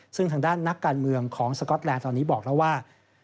ซึ่งทางด้านนักการเมืองของสก๊อตแลนด์ตอนนี้บอกแล้วว่า